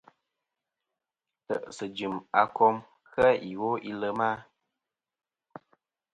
Ntè'sɨ jɨm a kom iwo i lema.